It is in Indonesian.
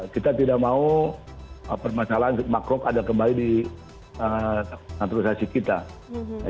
kita tidak mau permasalahan makro ada kembali di naturalisasi kita